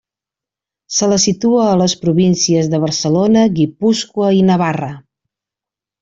Se la situa a les províncies de Barcelona, Guipúscoa i Navarra.